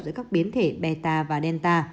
giữa các biến thể beta và delta